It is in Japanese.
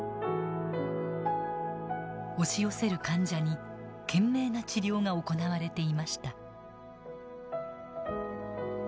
押し寄せる患者に懸命な治療が行われていました。